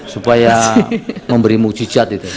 supaya memberi mujizat itu